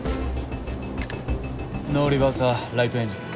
ノーリバーサーズライトエンジン。